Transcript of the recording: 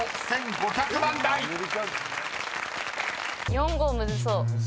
４・５むずそう。